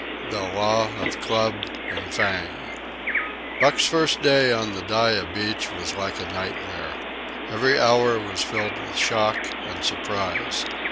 The Law of Club and Fang Buck's first day on the Dyea beach was like a nightmare. Every hour was filled with shock and surprise.